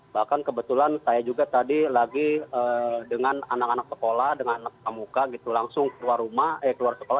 bahkan kebetulan saya juga tadi lagi dengan anak anak sekolah dengan anak anak muka gitu langsung keluar sekolah